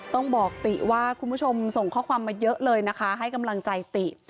ต้องบอกติว่าคุณผู้ชมส่งข้อความมาเยอะเลยนะคะให้กำลังใจติ